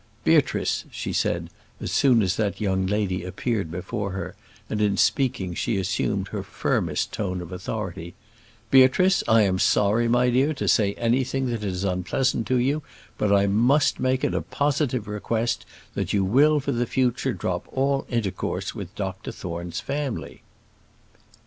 "Beatrice," she said, as soon as the young lady appeared before her, and in speaking she assumed her firmest tone of authority, "Beatrice, I am sorry, my dear, to say anything that is unpleasant to you, but I must make it a positive request that you will for the future drop all intercourse with Dr Thorne's family."